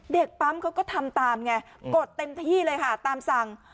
เด็กปั๊มเขาก็ทำตามไงกดเต็มที่เลยค่ะตามสั่ง